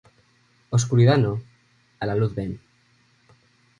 Oscuridad no, a la luz ven.